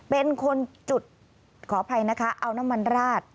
เป็นคนจุดขออภัยนะคะเอาน้ำมันราด